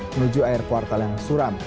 menuju air kuartal yang suram